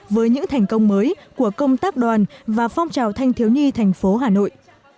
với những thành công mới của công tác đoàn và phong trào thanh thiếu nhi thành phố hà nội